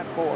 à đúng rồi